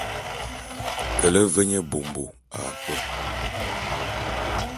Kele ve nye bômbo a kpwem.